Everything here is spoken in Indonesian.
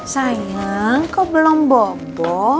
sayang kau belum bobo